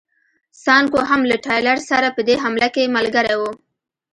سانکو هم له ټایلر سره په دې حمله کې ملګری و.